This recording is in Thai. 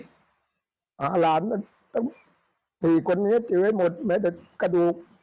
หลานตั้ง๔คนนี้เจอหมดแม้แต่กระดูก